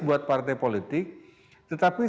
buat partai politik tetapi